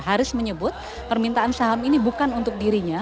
haris menyebut permintaan saham ini bukan untuk dirinya